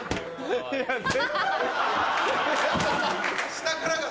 下からが。